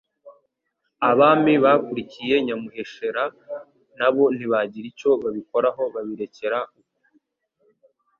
Abami bakurikiye Nyamuheshera nabo ntibagira icyo babikoraho babirekera uko.